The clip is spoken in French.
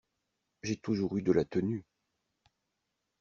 J’ai toujours eu de la tenue !